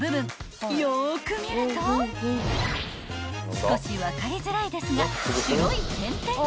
［少し分かりづらいですが］